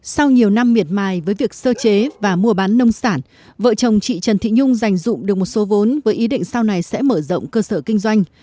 sau nhiều năm miệt mài với việc sơ chế và mua bán nông sản vợ chồng chị trần thị nhung giành dụng được một số vốn với ý định sau này sẽ mở rộng cơ sở kinh doanh